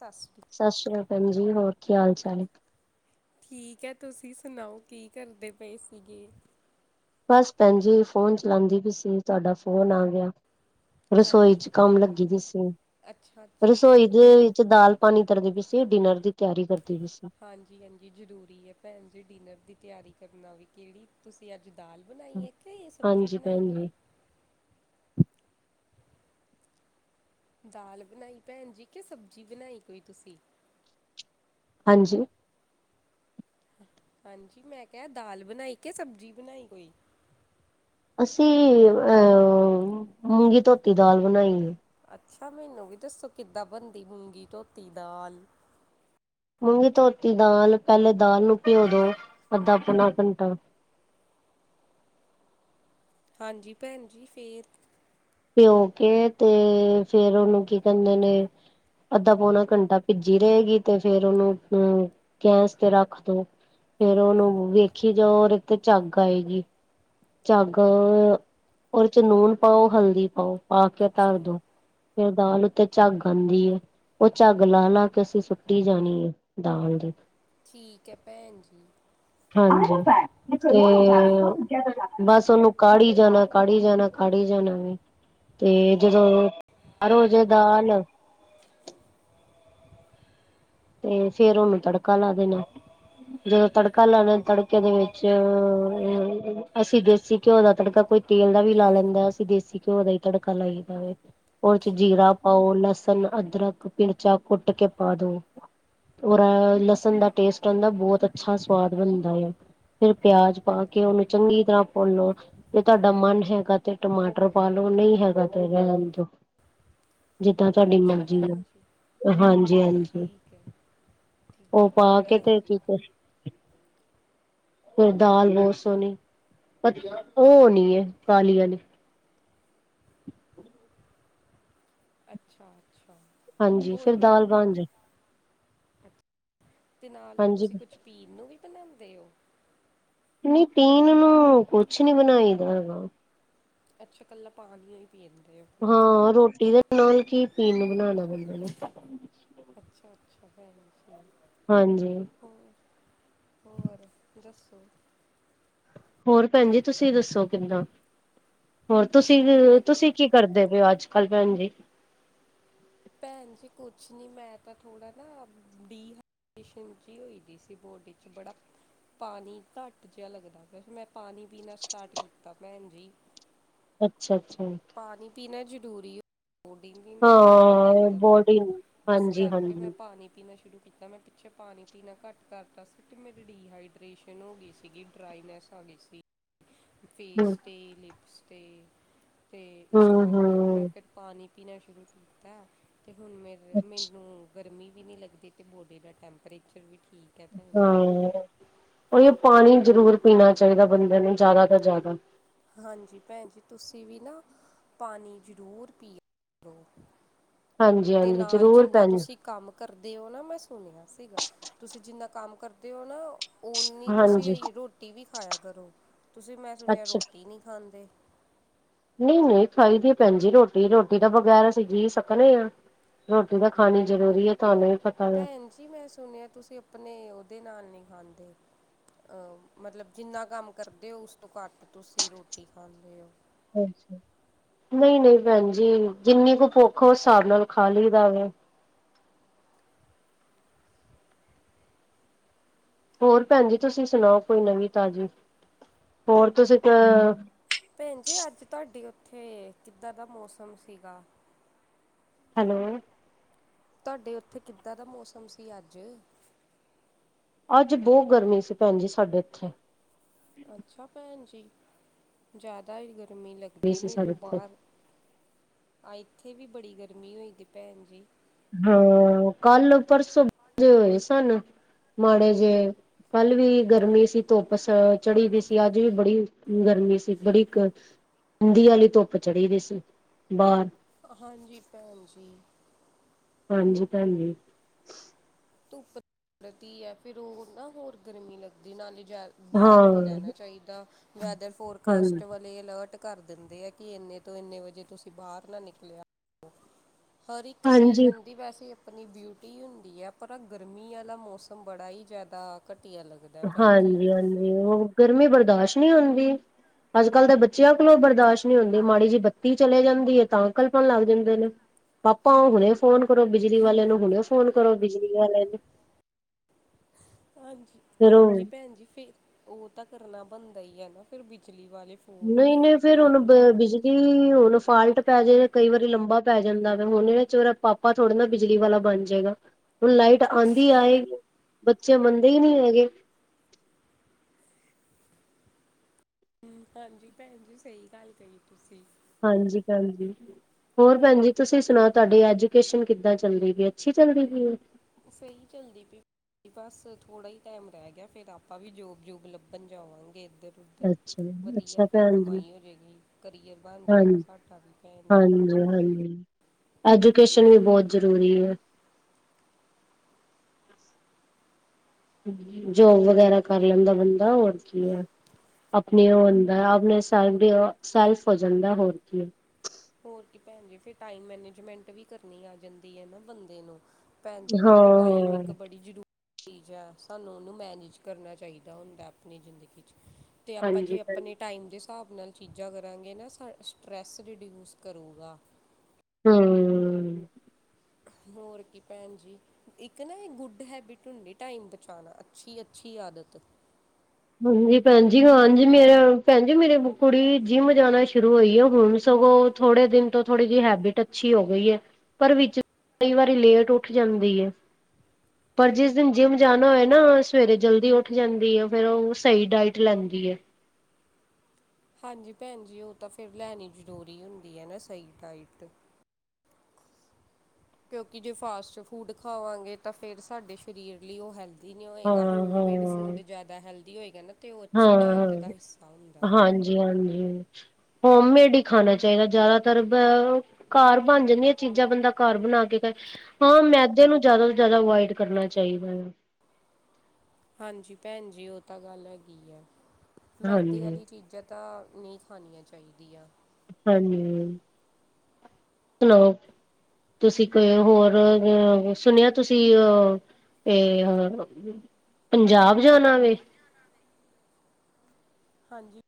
ਸਤਸ੍ਰੀ ਸਤਿ ਸ੍ਰੀ ਅਕਾਲ ਜੀ, ਹੋਰ ਕੀ ਹਾਲ ਚਾਲ? ਹੈ? ਠੀਕ ਹੈ, ਤੁਸੀਂ ਸੁਣਾਓ ਕੀ ਕਰਦੇ ਪਏ ਸੀਗੇ? ਬਸ ਭੈਣ ਜੀ ਫੋਨ ਚਲਾਂਦੀ ਪਈ ਸੀਗੀ ਤੁਹਾਡਾ ਫੋਨ ਆ ਗਿਆ। ਰਸੋਈ ਹਾਂਜੀ ਚ ਕੰਮ ਲੱਗੀ ਦੀ ਸੀਗੀ ਸੀ ਅੱਛਾ-ਅੱਛਾ ਰਸੋਈ ਠੀਕ। ਦੇ ਵਿੱਚ ਦਾਲ ਪਾਣੀ ਤਰਦੀ ਪਾਈ ਸੀ ਡਿਨਰ ਦੀ ਤਿਆਰੀ ਕਰਦੀ ਵੀ ਸੀ। ਹਾਂਜੀ -ਹਾਂਜੀ, ਜ਼ਰੂਰੀ ਹੈ ਭੈਣ ਜੀ, ਡਿਨਰ ਦੀ ਤਿਆਰੀ ਕਰਨਾ ਵੀ ਕਿਹੜੀ। ਤੁਸੀਂ ਅੱਜ ਦਾਲ ਬਣਾਈ ਇਹ, ਕੇ ਸਬਜ਼ੀ ਹਾਂਜੀ ਬਣਾਈ ਭੈਣ ਕੋਈ? ਜੀ ਦਾਲ ਬਣਾਈ ਭੈਣ ਜੀ, ਕਿ ਸਬਜ਼ੀ ਬਣਾਈ ਕੋਈ ਤੁਸੀਂ? ਹਾਂਜੀ। ਹਾਂਜੀ, ਮੈਂ ਕਿਹਾ ਦਾਲ ਬਣਾਈ ਕੇ ਸਬਜ਼ੀ ਬਣਾਈ ਕੋਈ? ਅਸੀਂ ਅਹ ਮੂੰਗੀ-ਧੋਤੀ ਦਾਲ ਬਣਾਈ ਐ। ਅੱਛਾ, ਮੈਨੂੰ ਵੀ ਦੱਸੋ ਕਿੱਦਾਂ ਬਣਦੀ ਮੂੰਗੀ- ਧੋਤੀ ਦਾਲ? ਮੂੰਗੀ-ਧੋਤੀ ਦਾਲ, ਪਹਿਲੇ ਦਾਲ ਨੂੰ ਭਿਓਂ ਦੋ ਅੱਧਾ-ਪੌਣਾ ਘੰਟਾ। ਹਾਂਜੀ। ਭੈਣ ਜੀ, ਫੇਰ? ਪਿਓ ਕੇ, ਤੇ ਫੇਰ ਉਹਨੂੰ ਕੀ ਕਹਿੰਦੇ ਨੇ? ਅੱਧਾ-ਪੌਣਾ ਘੰਟਾ ਭਿੱਜੀ ਰਹੇਗੀ, ਤੇ ਫੇਰ ਉਹਨੂੰ ਗੈਸ 'ਤੇ ਰੱਖ ਦੋ। ਫੇਰ ਉਹਨੂੰ ਵੇਖੀ ਜਾਓ, ਓਹਦੇ 'ਤੇ ਝੱਗ ਆਏਗੀ। ਝੱਗ ਉਹਦੇ 'ਚ ਨੂਨ ਪਾਓ, ਹਲਦੀ ਪਾਓ, ਪਾ ਕੇ ਅੱਛਾ ਧਰਦੋ। ਫਿਰ ਦਾਲ ਉੱਤੇ ਝੱਗ ਆਂਦੀ ਐ। ਉਹ ਝੱਗ ਲਾ-ਲਾ ਕੇ ਅਸੀਂ ਸੁੱਟੀ ਜਾਣੀ ਹੈ ਦਾਲ ਦੀ। ਠੀਕ ਐ ਭੈਣ ਜੀ। ਹਾਂਜੀ। ਤੇ, ਬਸ ਉਹਨੂੰ ਕਾੜੀ ਜਾਣਾ, ਕਾੜੀ ਜਾਣਾ, ਕਾੜੀ ਜਾਣਾ ਵੇ। ਤੇ ਜਦੋਂ, ਤਿਆਰ ਹੋਜੇ ਦਾਲ ਤੇ ਫੇਰ ਉਹਨੂੰ ਤੜਕਾ ਲਾ ਦੇਣਾ। ਜਦੋਂ ਤੜਕਾ ਲਾਣਾ ਤੜਕੇ ਦੇ ਵਿੱਚ ਅਸੀਂ ਦੇਸੀ ਘਿਓ ਦਾ ਤੜਕਾ ਕੋਈ ਤੇਲ ਦਾ ਵੀ ਲਾ ਲੈਂਦਾ ਅਸੀਂ ਦੇਸੀ ਘਿਓ ਦਾ ਈ ਤੜਕਾ ਲਾਈਦਾ ਵੇ। ਉਹਦੇ 'ਚ ਠੀਕ ਜੀਰਾ ਪਾਓ, ਲਸਣ, ਅਦਰਕ, ਮਿਰਚਾ ਕੁੱਟ ਕੇ ਪਾ ਦੋ। ਔਰ ਲਸਣ ਦਾ ਟੇਸਟ ਆਦਾ ਬਹੁਤ ਅੱਛਾ ਸਵਾਦ ਬਣਦਾ ਆ। ਫਿਰ ਪਿਆਜ ਪਾ ਕੇ ਉਹਨੂੰ ਚੰਗੀ ਤਰ੍ਹਾਂ ਭੁੰਨ ਲਓ। ਤੇ ਤੁਹਾਡਾ ਮਨ ਹੈਗਾ ਤੇ ਟਮਾਟਰ ਪਾ ਲੋ ਨਹੀਂ ਹੈਗਾ ਤੇ ਰਹਿਣ ਦੋ। ਜਿੱਦਾਂ ਤੁਹਾਡੀ ਅੱਛਾ ਮਰਜ਼ੀ ਆ ਭੈਣ ਜੀ, ਹਾਂਜੀ-ਹਾਂਜੀ ਠੀਕ ਐ। ਉਹ ਪਾ ਠੀਕ ਆ ਕੇ ਭੈਣ ਤੇ ਜੀ। ਕੀ ਫਿਰ ਦਾਲ ਬੋਹਤ ਸੋਹਣੀ, ਉਹ ਹੋਣੀ ਏ ਕਾਲੀ ਆਲੀ। ਅੱਛਾ-ਅੱਛਾ, ਹਾਂਜੀ ਹੋਰ ਫਿਰ ਦਾਲ ਭੈਣ ਜੀ। ਬਣ ਜਾ ਤੇ ਨਾਲ ਹਾਂਜੀ ਤੁਸੀਂ ਕੁਝ ਪੀਣ ਨੂੰ ਵੀ ਬਣਾਂਦੇ ਓ? ਨਹੀ ਪੀਣ ਨੂੰ ਕੁਛ ਨੀ ਬਣਾਈ ਦਾ ਹੈਗਾ। ਅੱਛਾ ਕੱਲਾ ਪਾਣੀਓ ਪੀਂਦੇ ਉਹ। ਹਾਂ ਰੋਟੀ ਦੇ ਨਾਲ ਕੀ ਪੀਣ ਨੂੰ ਬਣਾਣਾ? ਅੱਛਾ-ਅੱਛਾ ਭੈਣ ਜੀ। ਹਾਂਜੀ। ਹੋਰ, ਹੋਰ ਦੱਸੋ। ਹੋਰ ਭੈਣ ਜੀ ਤੁਸੀਂ ਦੱਸੋ ਕਿੱਦਾਂ? ਹੋਰ ਤੁਸੀਂ, ਮੈਂ ਤੁਸੀਂ ਕੀ ਕਰਦੇ ਪਏ ਓ ਅੱਜ-ਕੱਲ੍ਹ ਭੈਣ ਜੀ? ਭੈਣ ਜੀ ਕੁਛ ਨੀ ਮੈਂ ਤਾਂ ਥੋੜਾ ਨਾ ਡੀ- ਚ ਈ ਹੋਈ ਦੀ ਸੀ ਬਾਡੀ 'ਚ ਬੜਾ ਪਾਣੀ ਘੱਟ ਜਿਹਾ ਲੱਗਦਾ, ਵੈਸੇ ਮੈਂ ਪਾਣੀ ਪੀਣਾ ਸਟਾਰਟ ਕੀਤਾ ਭੈਣ ਜੀ। [inaudible] ਅੱਛਾ-ਅੱਛਾ। ਪਾਣੀ ਪੀਣਾ ਜ਼ਰੂਰੀ ਆ, ਬੋਡੀ ਲਈ ਨਾ ਹੈ ਹੈਲਥੀ ਹਾਂ ਰਹਿੰਦਾ ਬੋਡੀ ਬਾਡੀ। ਇਸ ਹਾਂਜੀ ਕਰਕੇ ਮੈਂ ਹਾਂਜੀ ਪਾਣੀ ਪੀਣਾ ਸ਼ੁਰੂ ਕੀਤਾ ਮੈਂ ਪਿੱਛੇ ਪਾਣੀ ਪੀਣਾ ਘੱਟ ਕਰਤਾ ਸੀ ਤੇ ਮੇਰੀ ਡੀਹਾਈਡ੍ਰੇਸ਼ਨ ਹੋ ਗੀ ਸੀਗੀ ਡਰਾਈਨੈਸ ਆ ਗੀ ਸੀ। ਹਮ ਫੇਸ ਤੇ, ਲਿਪਸ ਤੇ। ਤੇ ਇਸ ਹਮ ਕਰਕੇ ਮੈਂ ਹਮ ਫਿਰ ਪਾਣੀ ਪੀਣਾ ਸ਼ੁਰੂ ਕੀਤਾ, ਤੇ ਹੁਣ ਮੇਰੇ ਮੈਨੂੰ ਗਰਮੀ ਵੀ ਨਹੀਂ ਲੱਗਦੀ ਤੇ ਬੋਡੀ ਦਾ ਟੈਂਪਰੇਚਰ ਵੀ ਠੀਕ ਹੈ ਭੈਣ ਜੀ ਹਾਂ, ਓਹੀਓ ਪਾਣੀ ਜ਼ਰੂਰ ਪੀਣਾ ਚਾਹੀਦਾ ਬੰਦੇ ਨੂੰ ਜ਼ਿਆਦਾ ਤੋਂ ਜ਼ਿਆਦਾ। ਹਾਂਜੀ ਭੈਣ ਜੀ ਤੁਸੀਂ ਵੀ ਨਾ ਪਾਣੀ ਜ਼ਰੂਰ ਪੀੋਆ ਕਰੋ ਹਾਂਜੀ ਤੇ ਹਾਂਜੀ ਨਾਲ ਜ਼ਰੂਰ ਜਿੰਨਾ ਭੈਣ ਜੀ, ਤੁਸੀਂ ਕੰਮ ਕਰਦੇ ਓ ਨਾ ਮੈਂ ਸੁਣਿਆ ਸੀਗਾ, ਤੁਸੀਂ ਜਿੰਨਾ ਕੰਮ ਕਰਦੇ ਓ ਨਾ ਓਨੀ ਹਾਂਜੀ ਤੁਸੀਂ ਰੋਟੀ ਵੀ ਖਾਇਆ ਕਰੋ, ਤੁਸੀਂ ਮੈਂ ਸੁਣਿਆ ਅੱਛਾ ਰੋਟੀ ਨੀ ਖਾਂਦੇ। ਨਹੀਂ-ਨਹੀਂ ਖਾਈ ਦੀ ਭੈਣ ਜੀ ਰੋਟੀ ਰੋਟੀ ਤਾਂ ਬਗੈਰ ਅਸੀਂ ਜੀਅ ਸਕਨੇ ਆ। ਰੋਟੀ ਤਾਂ ਖਾਣੀ ਜ਼ਰੂਰੀ ਹੈ ਤੁਹਾਨੂੰ ਵੀ ਪਤਾ ਵੇ। ਭੈਣ ਜੀ ਮੈਂ ਸੁਣਿਆ ਤੁਸੀਂ ਆਪਣੇ ਉਹਦੇ ਨਾਲ ਨੀ ਖਾਂਦੇ। ਮਤਲਬ ਜਿੰਨਾ ਕੰਮ ਕਰਦੇ ਓ ਉਸ ਤੋਂ ਘੱਟ ਤੁਸੀਂ ਰੋਟੀ ਖਾਂਦੇ ਓ। ਅੱਛਾ ਨਈ-ਨਈ ਭੈਣਜੀ ਜਿੰਨੀ ਕੁ ਭੁੱਖ ਉਸ ਹਿਸਾਬ ਨਾਲ ਖਾ ਲਈਦਾ ਵੇ। ਹੋਰ ਭੈਣ ਜੀ ਤੁਸੀਂ ਸੁਣਾਓ ਕੋਈ ਨਵੀਂ ਤਾਜ਼ੀ ਹੋਰ ਤੁਸੀਂ ਕ ਭੈਣ ਜੀ ਅੱਜ ਤੁਹਾਡੀੇ ਉੱਥੇ ਕਿੱਦਾਂ ਦਾ ਮੌਸਮ ਸੀਗਾ? ਹੈਲੋ! ਤੁਹਾਡੇ ਉੱਥੇ ਕਿੱਦਾਂ ਦਾ ਮੌਸਮ ਸੀ ਅੱਜ? ਅੱਜ ਬੋ ਗਰਮੀ ਸੀ ਭੈਣ ਜੀ ਸਾਡੇ ਇੱਥੇ। ਅੱਛਾ ਭੈਣ ਜੀ ਜਾਦਾ ਈ ਗਰਮੀ ਲੱ ਦੀ ਸੀ ਸਾਡੇ ਮੈਨੂੰ ਇੱਥੇ। ਬਾਰ ਆ ਇੱਥੇ ਵੀ ਬੜੀ ਗਰਮੀ ਹੋਈ ਦੀ ਭੈਣ ਜੀ। ਹਾਂ ਕੱਲ ਪਰਸੋਂ ਜੇ ਹੋਏ ਸਨ ਮਾੜੇ ਜੇ ਕੱਲ੍ਹ ਵੀ ਗਰਮੀ ਸੀ ਧੁੱਪ ਸ ਚੜੀ ਦੀ ਸੀ ਅੱਜ ਵੀ ਬੜੀ ਗਰਮੀ ਸੀ ਬੜੀ ਕ [unintelligible] ਆਲੀ ਧੁੱਪ ਚੜੀ ਦੀ ਸੀ ਬਾਰ। ਹਾਂਜੀ ਭੈਣ ਜੀ। ਹਾਂਜੀ ਭੈਣ ਜੀ। ਧੁੱਪ [unintelligible] ਐ ਫੇਰ ਓ ਨਾ ਹੋਰ ਗਰਮੀ ਲੱਗਦੀ ਨਾਲੇ ਜੈ ਹਾਂ ਬਾਰ ਨੀ ਰੈਣਾ ਚਾਈਦਾ ਵੈਦਰ ਹਾਂਜੀ ਫੋਰਕਾਸਟ ਵ ਲੇ ਅਲਰਟ ਕਰ ਦਿੰਦੇ ਆ ਕੀ ਏਨੇ ਤੋਂ ਏਨੇ ਵਜੇ ਤੁਸੀਂ ਬਾਰ ਨਾ ਨਿਕਲਿਆ [unintelligible] ਹਰ ਇੱਕ ਹਾਂਜੀ ਸੀਜ਼ਨ ਦੀ ਵੈਸੇ ਆਪਣੀ ਬਿਊਟੀ ਹੁੰਦੀ ਆ। ਪਰ ਆ ਗਰਮੀ ਆਲਾ ਮੌਸਮ ਬੜਾ ਈ ਜਾਦਾ ਘਟੀਆ ਲੱਗ ਹਾਂਜੀ- ਹਾਂਜੀ ਓ ਗਰਮੀ ਬਰਦਾਸ਼ ਨੀ ਹੁੰਦੀ ਅੱਜ ਕੱਲ ਦੇ ਬ ਚਿਆਂ ਕੋਲੋਂ ਬਰਦਾਸ਼ ਨੀ ਹੁੰਦੀ ਮਾੜੀ ਜੀ ਬੱਤੀ ਚਲੇ ਜਾਂਦੀ ਐ ਤਾਂ ਕਲਪਣ ਲੱਗ ਜਾਂਦੇ ਨੇ। ਪਾਪਾ ਹੁਣੇ ਫੋਨ ਕਰੋ ਬਿਜਲੀ ਵਾਲੇ ਨੂੰ ਹੁਣੇ ਫੋਨ ਕਰੋ ਬਿਜਲੀ ਵਾਲੇ ਨੂੰ। ਫਿਰ ਉਹ ਹਾਂਜੀ-ਹਾਂਜੀ ਭੈਣ ਜੀ ਫਿਰ ਓ ਤਾਂ ਕਰਨਾ ਬਣਦਾ ਈ ਆ ਨਾ ਫਿਰ ਬਿਜਲੀ ਵਾਲੇ ਫੋਨ ਨਈ-ਨਈ ਫੇਰ ਹੁਣ ਬ ਬਿਜਲੀ ਹੁਣ ਫਾਲਟ ਪੈ ਜੇ ਕਈ ਵਾਰੀ ਲੰਬਾ ਪੈ ਜਾਂਦਾ ਵੇ ਹੁਣ [unintelligible] ਚ ਮੇਰਾ ਪਾਪਾ ਥੋੜੇ ਨਾ ਬਿਜਲੀ ਵਾਲਾ ਬਣ ਜੇਗਾ। ਹੁਣ ਲਾਈਟ ਆਂਦੀ ਆਏ ਬੱਚੇ ਮੰਨਦੇ ਈ ਨੀ ਹੈਗੇ। ਹੂੰ ਹਾਂਜੀ ਭੈਣ ਜੀ ਸਈ ਗੱਲ ਕਈ ਤੁਸੀਂ। ਹਾਂਜੀ ਭੈਣ ਜੀ ਹੋਰ ਭੈਣ ਜੀ ਤੁਸੀਂ ਸੁਣਾਓ ਤੁਹਾਡੇ ਅੱਜ ਕੇਸ਼ਨ ਕਿੱਦਾਂ ਚੱਲਦੀ ਪਈ ਐ ਅੱਛੀ ਚੱਲਦੀ ਪਈ ਐ? ਸਈ ਚੱਲਦੀ ਪੀ। ਬਸ ਥੋੜਾ ਈ ਟੈਮ ਰੈ ਗਿਆ ਫੇਰ ਆਪਾਂ ਵੀ ਜੋਬ-ਜੂਬ ਲੱਭਣ ਜਾਵਾਂਗੇ ਏਧਰ। ਉੱਧਰ ਅੱਛਾ, ਵਧੀਆ ਅੱਛਾ ਫਿਰ ਭੈਣ ਜੀ ਕਮਾਈ ਹੋ ਜੇਗੀ ਕਰੀਅਰ ਬਣ ਜੇਗਾ ਹਾਂਜੀ, ਸਾਡਾ ਵੀ ਭੈਣ ਜੀ। [unintelligible] ਐਜੂਕੇਸ਼ਨ ਵੀ ਬੋ ਜਰੂਰੀ ਐ। ਜੋਬ ਵਗੈਰਾ ਕਰ ਲੈਂਦਾ ਬੰਦਾ ਹੋਰ ਕੀ ਐ। ਆਪਣੀ ਓ ਹੁੰਦਾ ਆਪਣੇ ਸ ਸੈਲਫ ਹੋ ਜਾਂਦਾ ਹੋਰ ਕੀ। ਹੋਰ ਕੀ ਭੈਣ ਜੀ ਫਿਰ ਟਾਈਮ ਮੈਨੇਜਮੈਂਟ ਵੀ ਕਰਨੀ ਆ ਜਾਂਦੀ ਐ ਨਾ ਬੰਦੇ ਨੂੰ। ਭੈਣ ਜੀ ਹਾਂ, ਕਿਉਂਕੀ ਟਾਈਮ ਇੱਕ ਹਾਂ ਬੜੀ ਜ਼ਰੂ ਚੀਜ਼ ਆ ਸਾਨੂੰ ਉਨੂੰ ਮੈਨੇਜ ਕਰਨਾ ਚਾਈਦਾ ਹੁੰਦਾ ਆਪਣੀ ਜ਼ਿੰਦਗੀ ਚ। ਤੇ ਆਪਾਂ ਹਾਂਜੀ ਜੇ ਭੈਣ ਆਪਣੇ ਟਾਈਮ ਦੇ ਹਿਸਾਬ ਨਾਲ ਚੀਜ਼ਾਂ ਕਰਾਂਗੇ ਨਾ ਸ ਸਟਰੈੱਸ ਰਿਡਿਊ ਸ ਕਰੂਗਾ। ਹੂੰ। ਹੋਰ ਕੀ ਭੈਣ ਜੀ। ਇੱਕ ਨਾ ਏ ਗੁੱਡ ਹੈਬਿਟ ਹੁੰਦੀ ਟਾਈਮ ਬਚਾਣਾ ਅੱਛੀ-ਅੱਛੀ ਆਦਤ। ਹਾਂਜੀ ਭੈਣ ਜੀ ਹਾਂਜੀ ਮੇਰੇ ਭੈਣ ਜੀ ਮੇਰੀ ਕੁੜੀ ਜਿੰਮ ਜਾਣਾ ਸ਼ੁਰੂ ਹੋਈ ਆ ਹੁਣ ਸਗੋਂ ਥੋੜੇ ਦਿਨ ਤੋਂ ਥੋੜੀ ਜੀ ਹੈਬਿਟ ਅੱਛੀ ਹੋ ਗਈ ਐ। ਪਰ ਵਿੱਚ ਕਈ ਵਾਰੀ ਲੇਟ ਉੱਠ ਜਾਂਦੀ ਐ। ਪਰ ਜਿਸ ਦਿਨ ਜਿੰਮ ਜਾਨਾ ਹੋਏ ਨਾ ਸਵੇਰੇ ਜਲਦੀ ਉੱਠ ਜਾਂਦੀ ਓ। ਫੇਰ ਓ ਸਈ ਡਾਇਟ ਲੈਂਦੀ ਏ। ਹਾਂਜੀ ਭੈਣ ਜੀ ਓ ਤਾਂ ਫਿਰ ਲੈਨੀ ਜ਼ਰੂਰੀ ਹੁੰਦੀ ਐ ਨਾ ਸਈ ਡਾਈਟ। ਕਿਉਂਕਿ ਜੇ ਫਾਸਟ ਫੂਡ ਖਾਵਾਂਗੇ ਤਾਂ ਫਿਰ ਸਾਡੇ ਸਰੀਰ ਲਈ ਓ ਹੈਲਦ ਦੀ ਨੀ ਹਾਂ ਹੋਏਗਾ ਹੋਮ ਮੇਡ ਹਾਂ ਫੂਡ ਜਾਦਾ ਹੈਲਦੀ ਹੋਏਗਾ ਨਾ ਤੇ ਓ ਅੱਛੀ ਡਾਇਟ ਦਾ ਹਿੱਸਾ ਹੁੰਦਾ। ਹਾਂਜੀ-ਹਾਂਜੀ, ਹੋਮ ਮੇਡ ਈ ਖਾਨਾ ਚਾਈਦਾ ਜਾਦਾਤਰ ਘਰ ਬਨ ਜਾਂਦੀਆਂ ਚੀਜ਼ਾਂ ਬੰਦਾ ਘਰ ਬਨਾ ਕੇ ਹਾਂ ਮੈਦੇ ਨੂੰ ਜਾਦਾ ਤੋਂ ਜਾਦਾ ਅਵੋਇਡ ਕਰਨਾ ਚਾਈਦਾ ਐ। ਹਾਂਜੀ ਭੈਣ ਜੀ ਓ ਤਾਂ ਗੱਲ ਹੈਗੀ ਐ ਮੈਦੇ ਹਾਂਜੀ ਆਲੀ ਚੀਜ਼ਾਂ ਤਾਂ ਨੀ ਖਾਨੀਆਂ ਚਾਈਦੀਆਂ। ਹਾਂਜੀ, ਹੈਲੋ। ਤੁਸੀਂ ਕੋ ਹੋਰ ਅ ਸੁਨੇਆ ਤੁਸੀਂ ਅਹ ਏ ਪੰਜਾਬ ਜਾਨਾ ਵੇ? ਹਾਂਜੀ।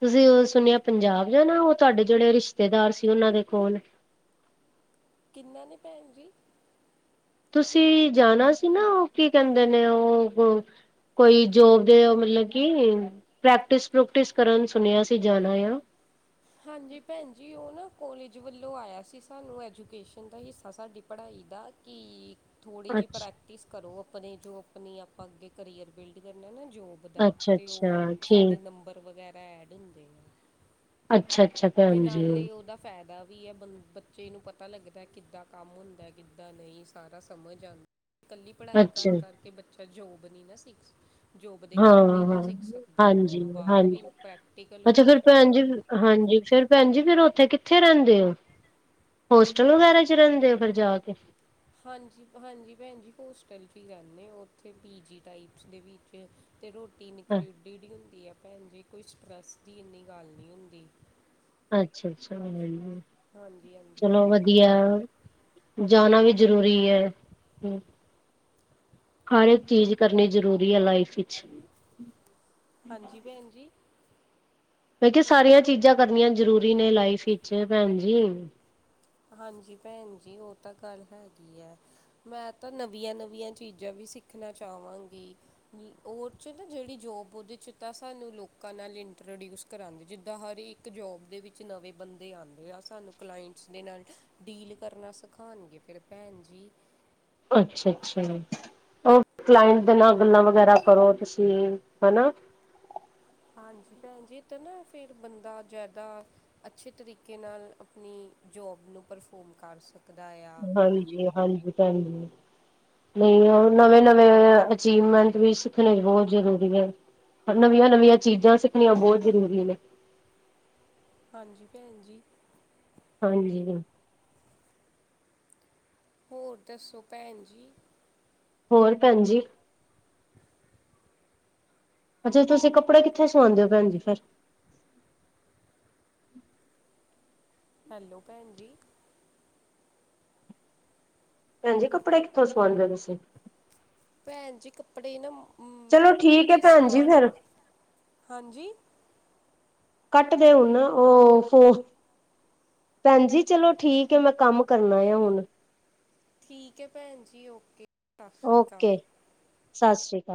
ਤੁਸੀਂ ਸੁਨੇਆ ਪੰਜਾਬ ਜਾਨਾ ਓ ਤੁਆਡੇ ਜੇੜੇ ਰਿਸ਼ਤੇਦਾਰ ਸੀ ਓਨਾਂ ਦੇ ਕੋਲ। ਕਿੰਨਾ ਨੇ ਭੈਣ ਜੀ? ਤੁਸੀਂ ਜਾਨਾ ਸੀ ਨਾ ਓ ਕੀ ਕੈਂਦੇ ਨੇ ਓ ਕੋਈ ਯੋਬ ਦੇ ਮਤਲਬ ਕਿ ਪ੍ਰੈਕਟਿਸ ਪ੍ਰੂਕਟਿਸ ਕਰਨ ਸੁਨੇਆ ਸੀ ਜਾਨਾ ਆ। ਹਾਂਜੀ ਭੈਣ ਜੀ ਓ ਨਾ ਕੋਲਜ ਵੱਲੋਂ ਆਇਆ ਸੀ ਸਾਨੂੰ ਐਜੂਕੇਸ਼ਨ ਦਾ ਹਿੱਸਾ ਸਾਡੀ ਪੜ੍ਹਾਈ ਦਾ। ਕਿ ਥੋੜ੍ਹੀ ਜੀ ਅੱਛ ਪ੍ਰੈਕਟਿਸ ਕਰੋ ਅਪਨੇ ਜੋ ਆਪਨੀ ਆਪਾਂ ਅੱਗੇ ਕਰੀਅਰ ਬਿਲਡ ਕਰਨਾ ਨਾ ਜੋਬ, ਬ ਦਾ ਅੱਛਾ ਤੇ ਓ ਅੱਛਾ ਸਾਡੇ ਠੀਕ ਨੰਬਰ ਵਗੈਰਾ ਐਡ ਹੁੰਦੇ। ਅੱਛਾ ਅੱਛਾ। ਤੇ ਭੈਣ ਜੀ ਨਾਲੇ ਓਦਾ ਫੈਦਾ ਵੀ ਐ ਬੰ ਬੱਚੇ ਨੂੰ ਪਤਾ ਲੱਗਦਾ ਕਿੱਦਾਂ ਕੰਮ ਹੁੰਦਾ, ਕਿੱਦਾਂ ਨਈ ਸਾਰਾ ਸਮਝ ਆਨ ਕੱਲੀ ਪੜ੍ਹਾਈ ਕਰ ਅੱਛਾ ਕਰਕੇ ਬੱਚਾ ਜੋਬ ਨਈ ਨਾ ਸਿੱਖ ਜੋਬ ਦੇ ਹਾਂ ਕੰਮ ਨੀ ਨਾ ਹਾਂ ਸਿੱਖ ਸਕਦਾ ਹਾਂਜੀ ਓਨੂੰ ਬਾਰ ਹਾਂਜੀ ਵੀ ਪ੍ਰੈਕਟੀਕਲ ਅੱਛਾ ਹੋਨਾ ਫਿਰ ਭੈਣ ਜੀ ਚਾਈਦਾ। ਹਾਂਜੀ ਫਿਰ ਭੈਣ ਜੀ ਫਿਰ ਓਥੇ ਕਿੱਥੇ ਰੈਂਦੇ ਓ, ਹੋਸਟਲ ਵਗੈਰਾ 'ਚ ਰੈਂਦੇ ਓ ਫਿਰ ਜਾ ਕੇ। ਹਾਂਜੀ ਹਾਂਜੀ ਭੈਣ ਜੀ ਹੋਸਟਲ 'ਚ ਈ ਰੈਂਦੇ ਓਥੇ ਪੀ ਜੀ ਟਾਈਪਸ ਦੇ ਵਿੱਚ। ਤੇ ਰੋਟੀ ਇਨਕਲਊਡਡ ਈ ਹੁੰਦੀ ਐ ਭੈਣ ਜੀ, ਕੋਈ ਸਟਰੈਸ ਦੀ ਇੰਨੀ ਗੱਲ ਨੀ ਹੁੰਦੀ। ਅੱਛਾ-ਅੱਛਾ, [unintelligible] ਹਾਂਜੀ ਹਾਂਜੀ ਚਲੋ ਭੈਣ ਜੀ ਵਧੀਆ। ਜਾਨਾ ਵੀ ਜ਼ਰੂਰੀ ਐ ਹੂੰ। ਹਰ ਇੱਕ ਚੀਜ਼ ਕਰਨੀ ਜ਼ਰੂਰੀ ਐ ਲਾਈਫ 'ਚ। ਹਾਂਜੀ ਭੈਣ ਜੀ ਮੈਂ ਕੇਆ ਸਾਰੀਆਂ ਚੀਜ਼ਾਂ ਕਰਨੀਆਂ ਜ਼ਰੂਰੀ ਨੇ ਲਾਈਫ 'ਚ ਭੈਣ ਜੀ। ਹਾਂਜੀ ਭੈਣ ਜੀ, ਓ ਤਾਂ ਗੱਲ ਹੈਗੀ ਐ। ਮੈਂ ਤਾਂ ਨਵੀਆਂ-ਨਵੀਆਂ ਚੀਜ਼ਾਂ ਵੀ ਸਿੱਖਨਾ ਚਾਵਾਂਗੀ। ਓ 'ਚ ਨਾ ਜੇੜੀ ਜੋਬ ਓਦੇ 'ਚ ਤਾਂ ਸਾਨੂੰ ਲੋਕਾਂ ਨਾਲ ਇੰਟਰੋਡਿਊਸ ਕਰਾਂਦੇ ਜਿੱਦਾਂ ਹਰ ਇੱਕ ਜੋਬ ਦੇ ਵਿੱਚ ਨਵੇਂ ਬੰਦੇ ਆਂਦੇ ਆ ਸਾਨੂੰ ਕਲਾਇੰਟਸ ਦੇ ਨਾਲ ਡੀਲ ਕਰਨਾ ਸਿਖਾਨਾਂਗੇ ਫਿਰ ਭੈਣ ਜੀ। ਅੱਛਾ-ਅੱਛਾ ਓ ਕਲਾਇੰਟ ਦੇ ਨਾਲ ਗੱਲਾਂ ਵਗੈਰਾ ਕਰੋ ਤੁਸੀਂ। ਹਨਾ? ਹਾਂਜੀ ਭੈਣ ਜੀ ਤਾਂ ਨਾ ਫੇਰ ਬੰਦਾ ਜਾਦਾ ਅੱਛੇ ਤਰੀਕੇ ਨਾਲ ਅਪਨੀ ਜੋਬ ਨੂੰ ਪਰਫੋਰਮ ਕਰ ਸਕ ਹਾਂਜੀ-ਹਾਂਜੀ ਭੈਨ ਜੀ। ਨਈਂ ਓ ਨਵੇਂ-ਨਵੇਂ ਅਚੀਵਮੈਂਟ ਵੀ ਸਿੱਖਣੇ ਬੋਹ ਜਰੂਰੀ ਐ। ਨਵੀਆਂ-ਨਵੀਆਂ ਚੀਜ਼ਾਂ ਸਿੱਖਣੀਆਂ ਬੋਹ ਜਰੂਰੀ ਨੇ। ਹਾਂਜੀ ਭੈਣ ਜੀ। ਹਾਂਜੀ। ਹੋਰ ਦੱਸੋ ਭੈਣ ਜੀ? ਹੋਰ ਭੈਣ ਜੀ। ਅੱਛਿਆ ਤੁਸੀਂ ਕੱਪੜੇ ਕਿੱਥੇ ਸਵਾਂਦੇ ਓ ਭੈਣ ਜੀ ਫਿਰ? ਹੈਲੋ ਭੈਣ ਜੀ। ਭੈਣ ਜੀ ਕੱਪੜੇ ਕਿੱਥੋਂ ਸਵਾਂਦੇ ਓ ਤੁਸੀਂ? ਭੈਣ ਜੀ ਕੱਪੜੇ ਨਾ ਮ ਚਲੋ ਠੀਕ ਹੈ ਕੱਪੜੇ ਭੈਣ ਜੀ ਸਵਾਨ, ਫਿਰ ਹਾਂਜੀ। ਕੱਟ ਦੇਓ ਹੁਣ ਨਾ ਓ ਫੋਨ। ਭੈਣ ਜੀ ਚਲੋ ਠੀਕ ਐ ਮੈਂ ਕੰਮ ਕਰਨਾ ਇਆ ਹੁਣ। ਠੀਕ ਐ ਭੈਣ ਜੀ ਓਕੇ। ਸਤਿ ਸ਼੍ਰੀ ਅਕਾਲ ਓਕੇ, ਸਸ਼੍ਰੀ ਕਾਲ।